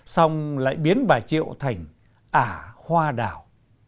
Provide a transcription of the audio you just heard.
xong lại biến bài triệu thành ả hoa đảo